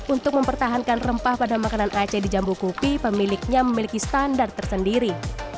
untuk mempertahankan rempah pada makanan aceh di jambu kopi pemiliknya memiliki standar tersendiri